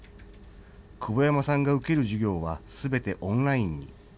久保山さんが受ける授業はすべてオンラインに。